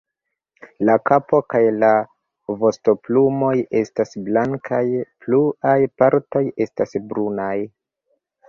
La kapo kaj la vostoplumoj estas blankaj, pluaj partoj estas brunaj.